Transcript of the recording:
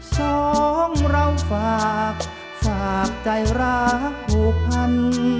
สองเราฝากฝากใจรักผูกพัน